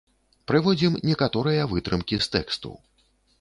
Прыводзім некаторыя вытрымкі з тэксту.